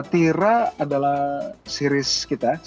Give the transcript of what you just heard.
tira adalah series kita series pertama dari indonesia